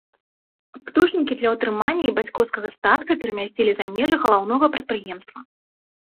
Птушнікі для ўтрымання і бацькоўскага статка перамясцілі за межы галаўнога прадпрыемства.